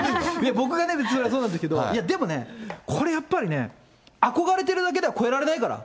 僕が、それはそうなんですけど、いやでもね、これやっぱりね、憧れてるだけでは超えられないから。